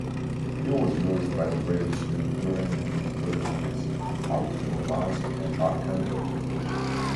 It was used by the British during the incursions at Murmansk and Archangel.